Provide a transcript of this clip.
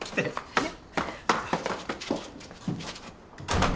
えっ？